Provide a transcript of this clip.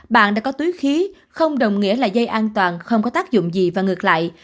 bạn đã có túi khí không đồng nghĩa là dây an toàn không có tác dụng gì và ngược lại